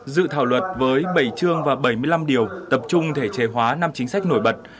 dự thảo luật với bảy chương và bảy mươi năm điều tập trung thể chế hóa năm chính sách nổi bật